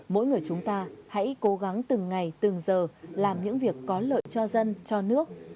mỗi người chúng ta hãy cố gắng từng ngày từng giờ làm những việc có lợi cho dân cho nước